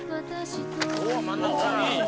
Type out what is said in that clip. おっ真ん中から！